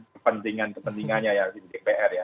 kepentingan kepentingannya yang ada di dpr ya